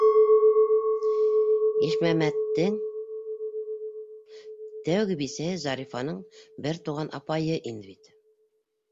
Ишмәмәттең тәүге бисәһе Зарифаның бер туған апайы ине бит.